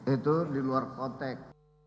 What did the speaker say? itu di luar kotek